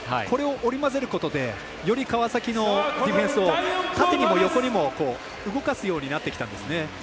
これを織り交ぜることでより川崎のディフェンスを縦にも横にも動かすようになってきたんですね。